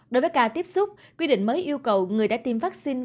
đối với ca tiếp xúc quy định mới yêu cầu người đã tiêm vaccine